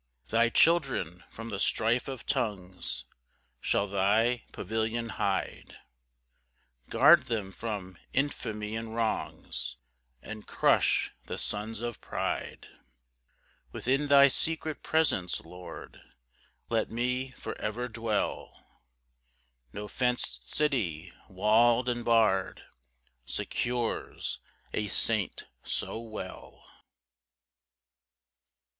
6 Thy children, from the strife of tongues, Shall thy pavilion hide, Guard them from infamy and wrongs, And crush the sons of pride. 7 Within thy secret presence, Lord, Let me for ever dwell; No fenced city, wall'd and barr'd, Secures a saint so well.